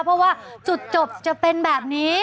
เพราะว่าจุดจบจะเป็นแบบนี้